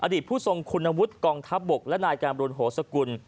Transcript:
ผู้ทรงคุณวุฒิกองทัพบกและนายการบรุณโหสกุล